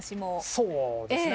そうですね。